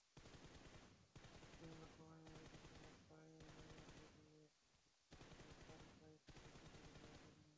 কিংবা সবাই মিলে বৃষ্টি মাথায় নিয়ে বেরিয়ে পড়ি চানখাঁরপুলে খিচুড়ি খাওয়ার জন্য।